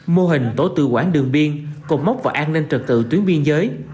mô hình tổ tự quản đường biên cục móc vào an ninh trực tự tuyến biên giới